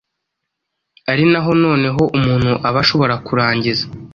ari naho noneho umuntu aba ashobora kurangiza.